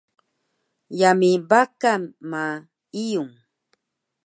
yami Bakan ma Iyung